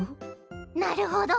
なるほど。